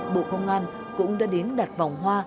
bộ công an cũng đã đến đặt vòng hoa